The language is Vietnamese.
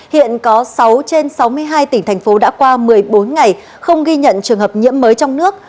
hiện có sáu trên sáu mươi hai tỉnh thành phố đã qua một mươi bốn ngày không ghi nhận trường hợp nhiễm mới trong nước